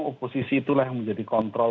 oposisi itulah yang menjadi kontrol